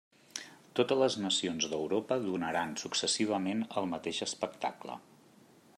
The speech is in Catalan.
Totes les nacions d'Europa donaren successivament el mateix espectacle.